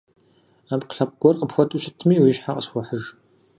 Ӏэпкълъэпкъ гуэр къыпхуэту щытми уи щхьэ къысхуэхьыж.